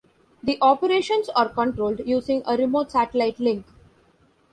The operations are controlled using a remote satellite link.